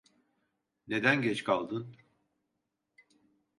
Neden geç kaldın?